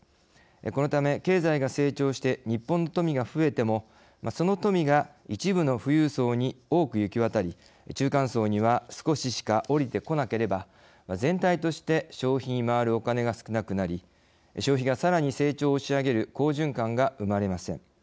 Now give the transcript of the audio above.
このため経済が成長して日本の富が増えてもその富が一部の富裕層に多く行き渡り中間層には少ししか降りてこなければ全体として消費に回るお金が少なくなり消費がさらに成長を押し上げる好循環が生まれません。